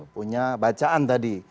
punya bacaan tadi